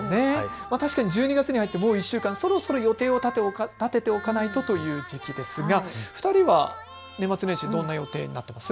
確かに１０月に入ってもう１週間、そろそろ予定を立てておかないとという時期ですが、２人は年末年始、どんな予定になっていますか。